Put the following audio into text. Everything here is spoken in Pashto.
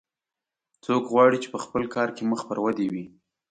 څوک غواړي چې په خپل کار کې مخ پر ودې وي